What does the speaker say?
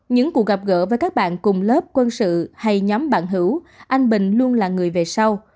những cuộc gặp gỡ với các bạn cùng lớp quân sự hay nhóm bạn hữu anh bình luôn là người về sau